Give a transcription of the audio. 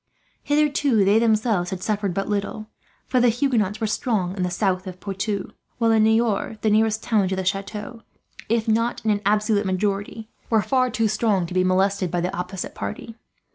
Hitherto they themselves had suffered but little, for the Huguenots were strong in the south of Poitou; while in Niort the nearest town to the chateau the Huguenots, if not in an absolute majority, were far too strong to be molested by the opposite party.